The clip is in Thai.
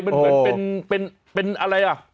มันเหมือนเป็นเป็นอะไรล่ะ